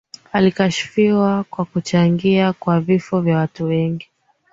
Alikashfiwa kwa kuchangia kwa vifo vya watu wengi